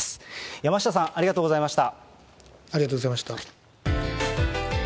山下さん、ありがとうございました。